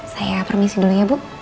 saya permisi dulu ya bu